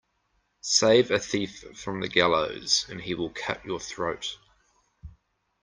Save a thief from the gallows and he will cut your throat.